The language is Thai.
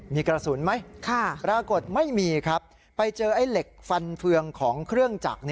มีกระสุนไหมปรากฏไม่มีครับไปเจอไอ้เหล็กฟันเฟืองของเครื่องจักร